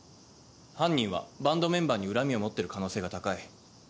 犯人はバンドメンバーに恨みを持ってる可能性が高い。